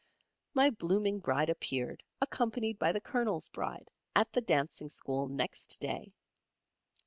My blooming Bride appeared, accompanied by the Colonel's Bride, at the Dancing School next day.